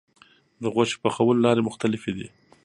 د غوښې پخولو لارې مختلفې دي.